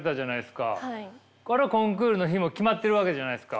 あれはコンクールの日も決まってるわけじゃないすか。